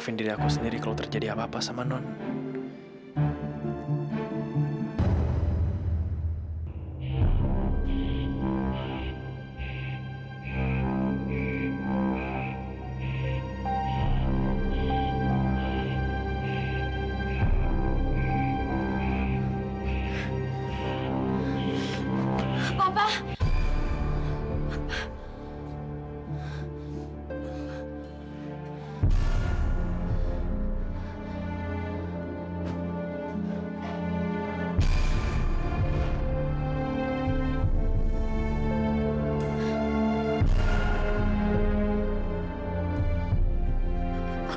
kalau kau tak baik mau pulang ya